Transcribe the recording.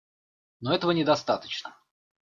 Но этого недостаточно.